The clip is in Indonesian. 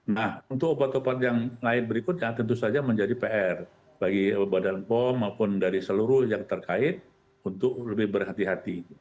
nah untuk obat obat yang lain berikutnya tentu saja menjadi pr bagi badan pom maupun dari seluruh yang terkait untuk lebih berhati hati